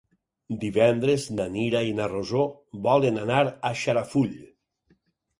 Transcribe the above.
Divendres na Mira i na Rosó volen anar a Xarafull.